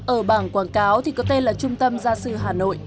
ở bảng quảng cáo thì có tên là trung tâm gia sư hà nội